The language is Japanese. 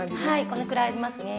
このくらいありますね。